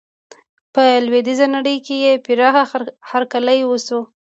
په لویدیزه نړۍ کې یې پراخه هرکلی وشو.